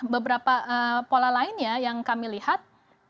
beberapa pola lainnya yang kami lihat